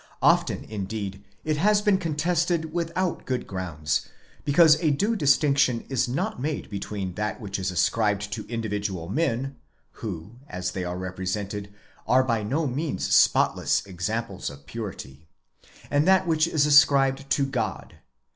Often indeed, it has been contested without good grounds, because a due distinction is not made between that which is ascribed to individual men, (who, as they are represented, are by no means spotless examples of purity,) and that which is ascribed to God